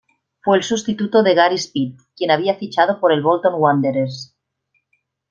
Fue el sustituto de Gary Speed, quien había fichado por el Bolton Wanderers.